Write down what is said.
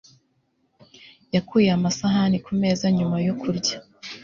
yakuye amasahani kumeza nyuma yo kurya